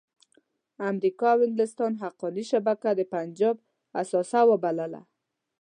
امریکا او انګلستان حقاني شبکه د پنجاب اثاثه وبلله.